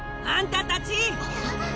あんたたち！